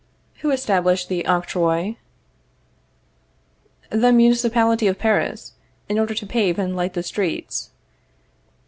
Who established the octroi? The municipality of Paris, in order to pave and light the streets.